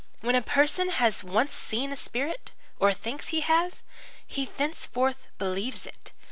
When a person has once seen a spirit or thinks he has he thenceforth believes it.